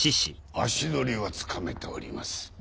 足取りはつかめております